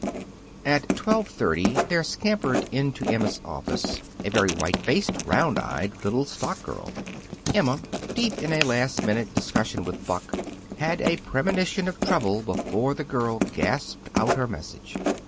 At twelve thirty, there scampered into Emma's office a very white faced, round eyed little stock girl. Emma, deep in a last minute discussion with Buck, had a premonition of trouble before the girl gasped out her message.